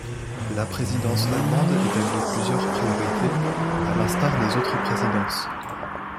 La présidence allemande établit plusieurs priorités, à l'instar des autres présidences.